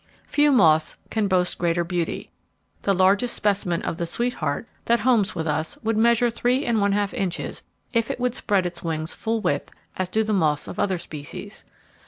Few moths can boast greater beauty. The largest specimen of the 'Sweetheart' that homes with us would measure three and one half inches if it would spread its wings full width as do the moths of other species.